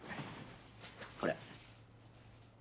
これ。